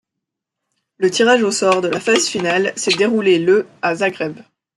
Le tirage au sort de la phase finale s’est déroulé le à Zagreb.